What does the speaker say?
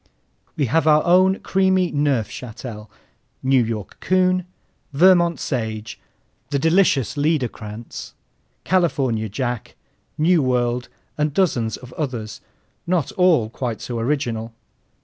We have our own creamy Neufchâtel, New York Coon, Vermont Sage, the delicious Liederkranz, California Jack, Nuworld, and dozens of others, not all quite so original.